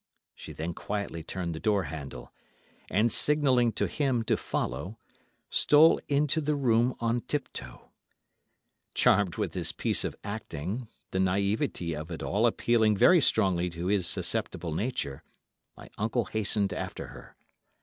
She then quietly turned the door handle, and signalling to him to follow, stole into the room on tiptoe. Charmed with this piece of acting, the naïvety of it appealing very strongly to his susceptible nature, my uncle hastened after her.